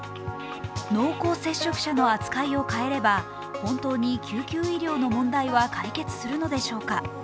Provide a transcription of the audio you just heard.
濃厚接触者の扱いを変えれば本当に救急医療の問題は解決するのでしょうか。